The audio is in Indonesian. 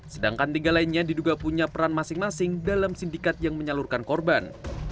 sedangkan tiga lainnya diduga punya peran masing masing dalam sindikat yang menyalurkan korban